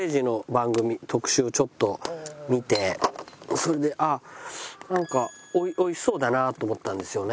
それであっなんか美味しそうだなと思ったんですよね。